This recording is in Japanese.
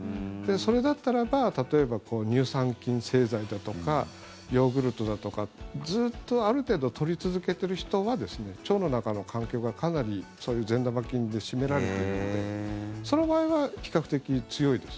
それだったらば例えば乳酸菌製剤だとかヨーグルトだとかずっとある程度取り続けている人は腸の中の環境がかなりそういう善玉菌で占められているのでその場合は比較的強いです。